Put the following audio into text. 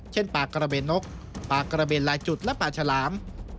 เช่นปากราเบนนกปากราเบนลายจุดและปากฉลาม